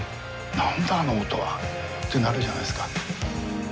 何だあの音は？ってなるじゃないですか。